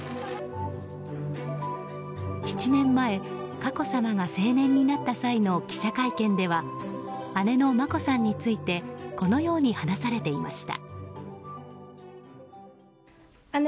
７年前、佳子さまが成年になった際の記者会見では姉の眞子さんについてこのように話されていました。